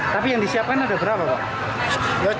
tapi yang disiapkan ada berapa pak